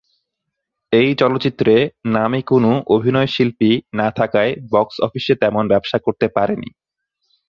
এই চলচ্চিত্রে নামী কোন অভিনয়শিল্পী না থাকায় বক্স অফিসে তেমন ব্যবসা করতে পারে নি।